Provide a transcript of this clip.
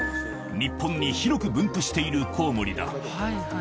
日本に広く分布しているコウモリだ。